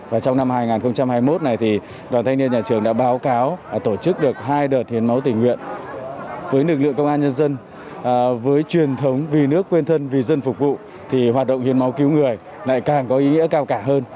và trong năm hai nghìn hai mươi một này thì đoàn thanh niên nhà trường đã báo cáo tổ chức được hai đợt hiến máu tình nguyện với lực lượng công an nhân dân với truyền thống vì nước quên thân vì dân phục vụ thì hoạt động hiến máu cứu người lại càng có ý nghĩa cao cả hơn